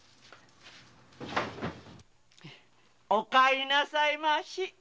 お帰りなさいまし。